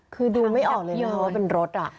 คือดูไม่ออกเลยว่าเป็นรถอ่ะ